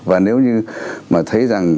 và nếu như mà thấy rằng